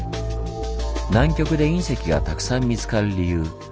南極で隕石がたくさん見つかる理由。